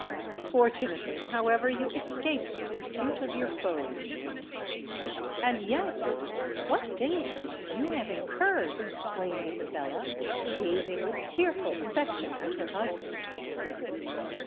Fortunately, however, you escaped the pursuit of your foes!" "And yet what danger must you have incurred!" exclaimed Isabella, gazing with tearful affection at her husband.